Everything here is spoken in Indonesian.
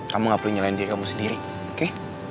kamu gak perlu nyelain diri kamu sendiri oke